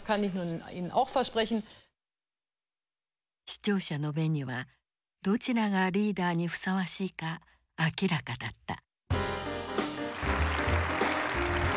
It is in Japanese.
視聴者の目にはどちらがリーダーにふさわしいか明らかだった。